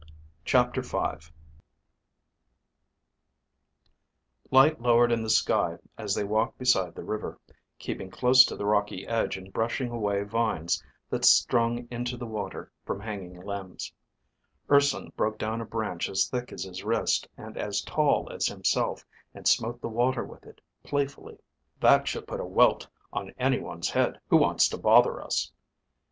CHAPTER V Light lowered in the sky as they walked beside the river, keeping close to the rocky edge and brushing away vines that strung into the water from hanging limbs. Urson broke down a branch as thick as his wrist and as tall as himself and smote the water with it, playfully. "That should put a welt on anyone's head who wants to bother us."